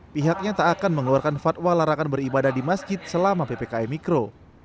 pihaknya tak akan mengeluarkan fatwa larangan beribadah di masjid selama ppkm mikro